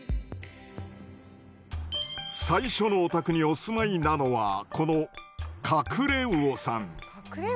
最初のお宅にお住まいなのはこのカクレウオさん。